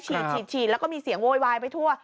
ฉีดฉีดแล้วก็มีเสียงโวยวายไปทั่ว